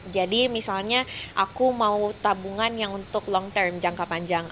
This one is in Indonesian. jadi misalnya aku mau tabungan yang untuk long term jangka panjang